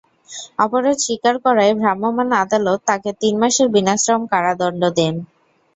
অপরাধ স্বীকার করায় ভ্রাম্যমাণ আদালত তাঁকে তিন মাসের বিনাশ্রম কারাদণ্ড দেন।